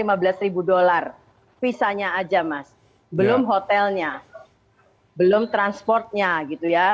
jadi lima belas dolar visanya aja mas belum hotelnya belum transportnya gitu ya